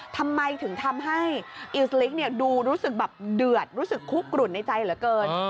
ทำไมถึงทำให้อิลสลิกดูรู้สึกแบบเดือดรู้สึกคุกกลุ่นในใจเหลือเกิน